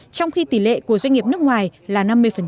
trong khi tỷ lệ của doanh nghiệp nước ngoài là năm mươi